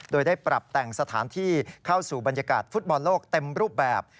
โดยได้ปรับแต่งสถานที่เข้าสู่บรรยากาศฟุตบอลโลกเต็มรูปแบบ